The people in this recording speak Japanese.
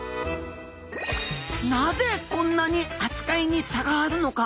なぜこんなに扱いに差があるのか。